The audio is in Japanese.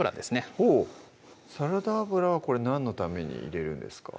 ほうサラダ油はこれ何のために入れるんですか？